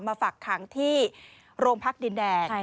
มาฝังขังที่โรงพลักษณ์ดินแดง